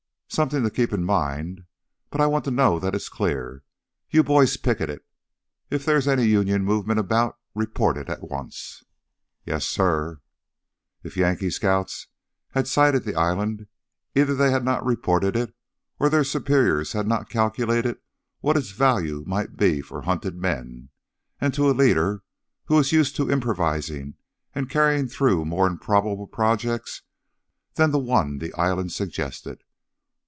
"Something to keep in mind. But I want to know that it's clear. You boys picket it. If there's any Union movement about, report it at once!" "Yes, suh." If Yankee scouts had sighted the island, either they had not reported it or their superiors had not calculated what its value might be for hunted men and to a leader who was used to improvising and carrying through more improbable projects than the one the island suggested.